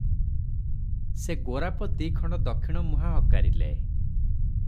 ସେ ଗୋରାପ ଦିଖଣ୍ଡ ଦକ୍ଷିଣମୁହାଁ ହକାରିଲେ ।